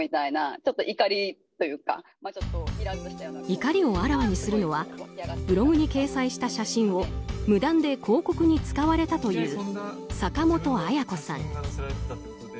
怒りをあらわにするのはブログに掲載した写真を無断で広告に使われたという坂本絢子さん。